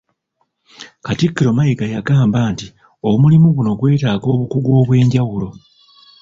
Katikkiro Mayiga yagamba nti omulimu guno gwetaaga obukugu obwenjawulo